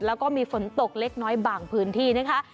แล้วก็มีฝนตกเล็กน้อยบางพื้นที่นะคะ